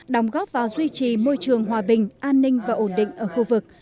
đóng góp vào duy trì môi trường hòa bình an ninh và ổn định ở khu vực